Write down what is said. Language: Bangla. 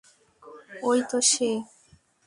ঐ তো সে!